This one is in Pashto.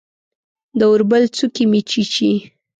د اوربل څوکې مې چیچي